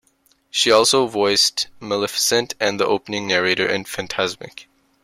She also voiced Maleficent and the Opening narrator in 'Fantasmic'.